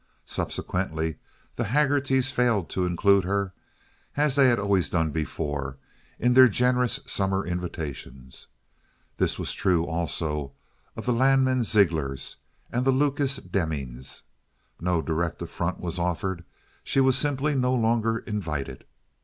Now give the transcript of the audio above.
Subsequently the Haggertys failed to include her, as they had always done before, in their generous summer invitations. This was true also of the Lanman Zeiglers and the Lucas Demmigs. No direct affront was offered; she was simply no longer invited.